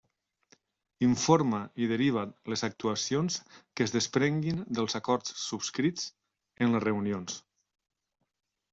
Informa i deriva les actuacions que es desprenguin dels acords subscrits en les reunions.